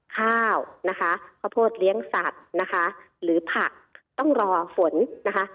ข้าวนะคะข้าวโพดเลี้ยงสัตว์นะคะหรือผักต้องรอฝนนะคะ